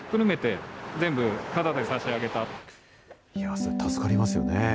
それ、助かりますよね。